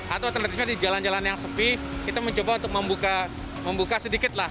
atau alternatifnya di jalan jalan yang sepi kita mencoba untuk membuka sedikit lah